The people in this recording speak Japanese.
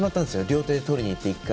両手でとりにいって、一回。